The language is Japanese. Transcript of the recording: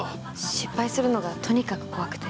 失敗するのがとにかく怖くて。